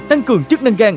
tăng cường chức năng gan